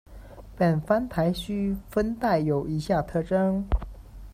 本番台区分带有以下特征。